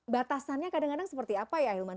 batasannya kadang kadang seperti apa ya ahilman